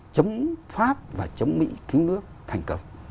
chống pháp và chống mỹ cứu nước thành công